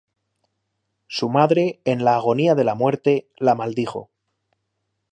Su madre en la agonía de la muerte, la maldijo.